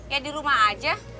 ya dirumah aja